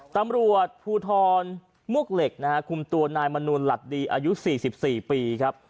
ตำรวจภูทรมวกเหล็กนะฮะคุมตัวนายมนูลหลัดดีอายุ๔๔ปีครับ